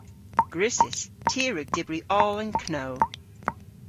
Gwrussys. Ty a wrug dybri oll an know.